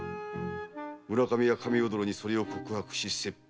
「村上は神尾殿にそれを告白し切腹」